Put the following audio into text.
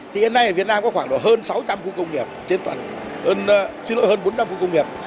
thì hiện nay ở việt nam có khoảng hơn sáu trăm linh khu công nghiệp trên toàn xin lỗi hơn bốn trăm linh khu công nghiệp